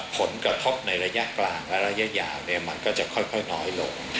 ผลกระทบในระยะกลางและระยะยาวมันก็จะค่อยน้อยลง